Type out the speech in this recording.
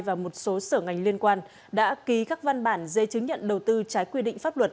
và một số sở ngành liên quan đã ký các văn bản dây chứng nhận đầu tư trái quy định pháp luật